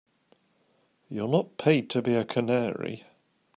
You're not paid to be a canary.